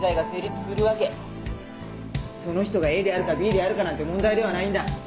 その人がＡであるかＢであるかなんて問題ではないんだ。